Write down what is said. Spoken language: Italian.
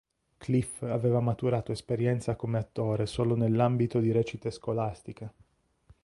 Cliff aveva maturato esperienza come attore solo nell'ambito di recite scolastiche.